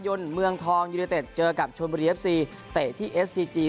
นนเมืองทองยูเนเต็ดเจอกับชนบุรีเอฟซีเตะที่เอสซีจี